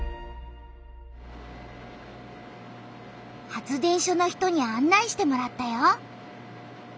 発電所の人にあん内してもらったよ。